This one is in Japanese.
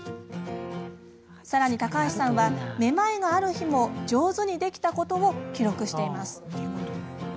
さらに高橋さんはめまいがある日も上手にできたことを記録しています。